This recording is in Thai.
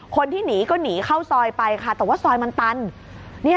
คนที่หนีก็หนีเข้าซอยไปค่ะแต่ว่าซอยมันตัน